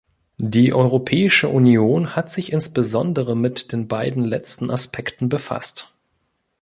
Die Europäische Union hat sich insbesondere mit den beiden letzten Aspekten befasst.